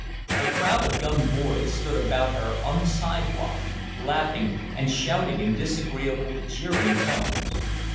A crowd of young boys stood about her on the sidewalk, laughing and shouting in disagreeable, jeering tones.